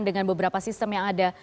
dengan beberapa sistem yang ada